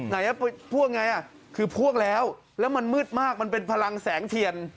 ไหนพ่วงไงคือพ่วงแล้วแล้วมันมืดมากมันเป็นพลังแสงเทียน